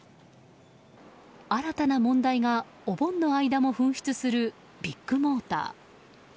新たな問題がお盆の間も噴出するビッグモーター。